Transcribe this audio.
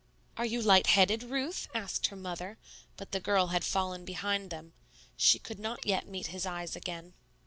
"Are you light headed, Ruth?" asked her mother, but the girl had fallen behind them. She could not yet meet his eyes again.